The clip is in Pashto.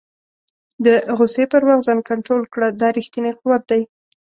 د غوسې پر وخت ځان کنټرول کړه، دا ریښتنی قوت دی.